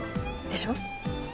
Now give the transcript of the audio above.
でしょ？